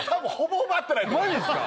マジっすか？